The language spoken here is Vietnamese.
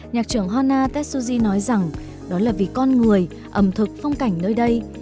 nhạc trưởng hanna tetsuji nói rằng đó là vì con người ẩm thực phong cảnh nơi đây